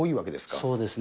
そうですね。